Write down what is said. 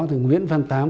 thì nguyễn văn tám